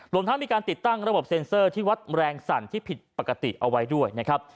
รวมทั้งมีการติดตั้งระบบเซ็นเซอร์ที่วัดแรงสั่นที่ผิดปกติเอาไว้ด้วยนะครับ